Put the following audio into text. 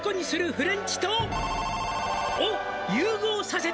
「フレンチと○○を融合させた」